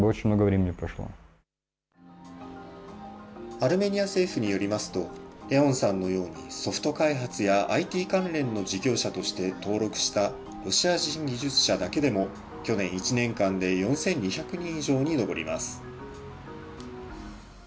アルメニア政府によりますと、レオンさんのようにソフト開発やＩＴ関連の事業者として登録したロシア人技術者だけでも去年１年間で４２００人以上に上ります。